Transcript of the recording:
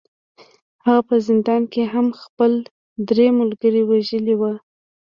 هغه په زندان کې هم خپل درې ملګري وژلي وو